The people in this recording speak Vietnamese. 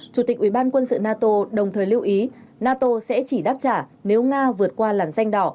chủ tịch ủy ban quân sự nato đồng thời lưu ý nato sẽ chỉ đáp trả nếu nga vượt qua làn danh đỏ